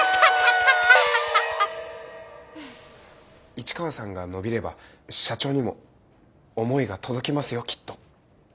市川さんが伸びれば社長にも思いが届きますよきっと。